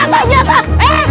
masuk mas pak